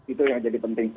itu yang jadi penting